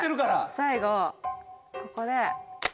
最後ここでほら。